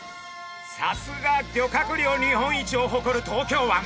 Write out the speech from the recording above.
さすが漁獲量日本一をほこる東京湾。